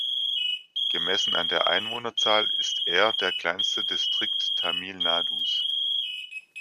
Gemessen an der Einwohnerzahl ist er der kleinste Distrikt Tamil Nadus.